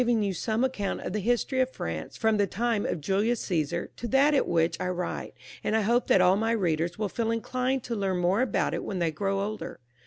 I have now given you some account of the history of France from the time of Julius Csesar to that at which I write, and I hope that all my readers will feel inclined to learn more about it when they grow older.